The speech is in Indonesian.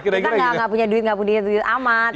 kita tidak punya duit tidak punya duit amat